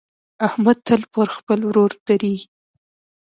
احمد تل پر خپل ورور درېږي.